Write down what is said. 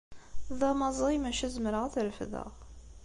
D amaẓay maca zemreɣ ad t-refdeɣ.